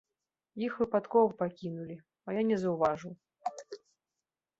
Іх выпадкова пакінулі, а я не заўважыў.